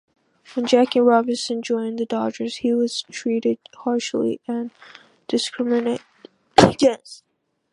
When Jackie Robinson joined the Dodgers, he was treated harshly and discriminated against.